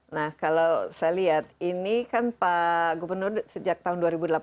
nah kalau saya lihat ini kan pak gubernur sejak tahun dua ribu delapan belas